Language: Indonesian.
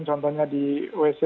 contohnya di wc